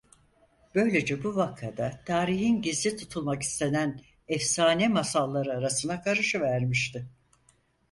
Böylece bu vaka da tarihin gizli tutulmak istenen efsane masalları arasına karışıvermişti.